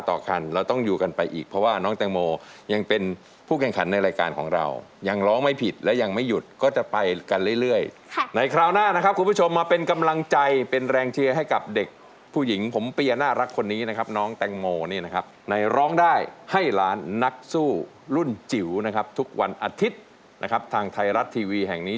ร้องได้ร้องได้ร้องได้ร้องได้ร้องได้ร้องได้ร้องได้ร้องได้ร้องได้ร้องได้ร้องได้ร้องได้ร้องได้ร้องได้ร้องได้ร้องได้ร้องได้ร้องได้ร้องได้ร้องได้ร้องได้ร้องได้ร้องได้ร้องได้ร้องได้ร้องได้ร้องได้ร้องได้ร้องได้